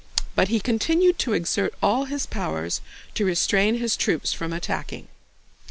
But he continued to exert all his powers to restrain his troops from attacking.